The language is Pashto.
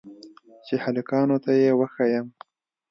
چې هلکانو ته يې وښييم.